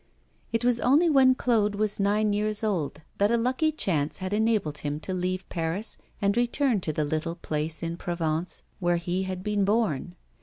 It was only when Claude was nine years old that a lucky chance had enabled him to leave Paris and return to the little place in Provence, where he had been born.